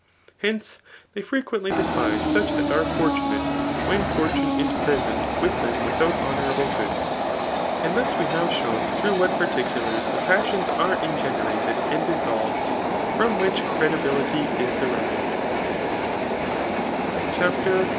Henee^ they frequently despise such as are fortunate when fbri^ tune is present with them without honourable goods. And thus we have duiwn thiough what particulars the passions are ingenerated and dissolved, from whici) cr^ dil»)ity is deriv^d^ CHAPTER XIV.